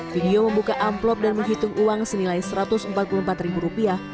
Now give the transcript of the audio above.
video membuka amplop dan menghitung uang senilai satu ratus empat puluh empat ribu rupiah